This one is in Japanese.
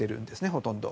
ほとんど。